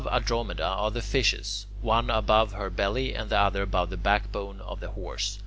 Above Andromeda are the Fishes, one above her belly and the other above the backbone of the Horse.